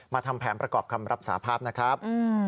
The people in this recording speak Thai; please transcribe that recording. ทำแผนประกอบคำรับสาภาพนะครับ